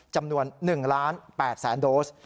จำนวน๑๘๐๐๐๐๐โดส